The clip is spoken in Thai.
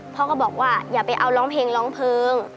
พ่อก็บอกว่าอย่าไปเอาร้องเพลงร้องเพลง